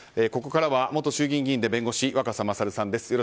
ここからは元衆議院議員で弁護士若狭勝さんです。